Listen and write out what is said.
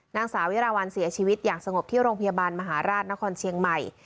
นางสาวิราวัลเสียชีวิตอย่างสงบที่โรงพยาบาลมหาราชนครเชียงใหม่